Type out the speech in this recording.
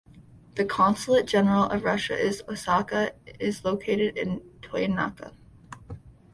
The Consulate-General of Russia in Osaka is located in Toyonaka.